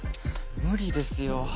無理ですよ